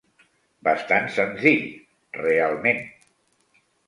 Bastant senzill, realment.